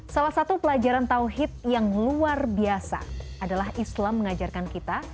salah satu pelajaran tauhid yang luar biasa adalah islam mengajarkan kita